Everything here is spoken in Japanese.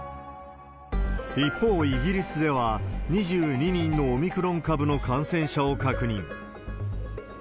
一方、イギリスでは、２２人のオミクロン株の感染者を確認。